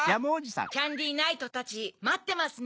キャンディナイトたちまってますね。